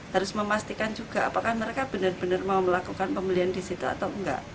harus memastikan juga apakah mereka benar benar mau melakukan pembelian di situ atau enggak